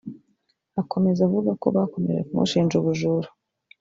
Akomeza avuga ko bakomeje kumushinja ubujura